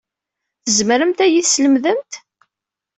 Tzemremt ad iyi-teslemdemt?